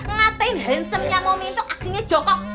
ngatein handsome nya momi itu aktingnya jokok